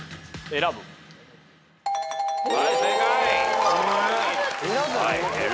はい正解。